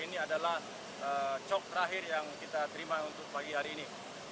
ini adalah cok terakhir yang kita terima untuk pagi hari ini